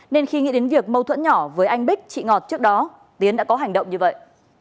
nên khi nghĩ đến việc mâu thuẫn nhỏ với anh bích chị ngọt trước đó tiến đã có hành động như vậy